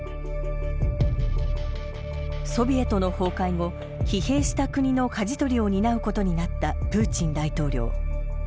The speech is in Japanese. ソビエトの崩壊後疲弊した国のかじ取りを担うことになったプーチン大統領。